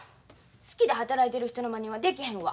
好きで働いてる人のまねはできへんわ。